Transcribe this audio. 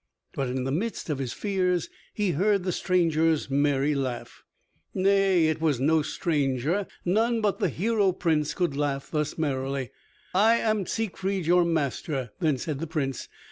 But in the midst of his fears he heard the stranger's merry laugh. Nay, it was no stranger, none but the hero prince could laugh thus merrily. "I am Siegfried your master," then said the Prince.